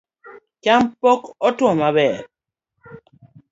Cham pok otuo maber